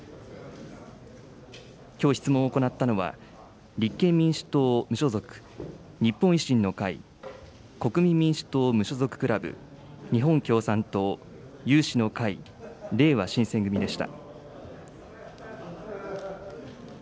きょう質問を行ったのは、立憲民主党・無所属、日本維新の会、国民民主党・無所属クラブ、日本共産党有志の会、れいわ新選組でした。